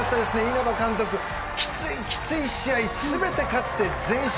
稲葉監督、きついきつい試合を全て勝って全勝。